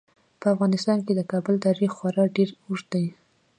په افغانستان کې د کابل تاریخ خورا ډیر اوږد دی.